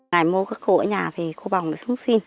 ngày mô các cô ở nhà thì cô bỏng xuống xin